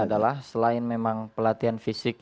adalah selain memang pelatihan fisik